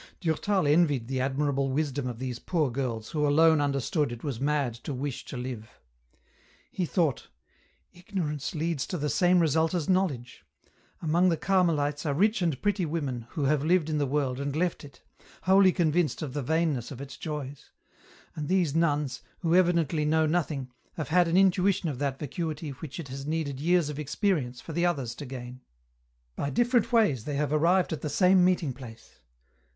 Durtal envied the admirable wisdom of these poor girls who alone understood it was mad to wish to live. He thought :" Ignorance leads to the same result as knowledge. Among the Carmelites are rich and pretty women who have lived in the world and left it, wholly convinced of the vainness of its joys ; and these nuns, who evidently know nothing, have had an intuition of that vacuity which it has needed years of experience for the others to gain. By different ways they have arrived at the same meeting place.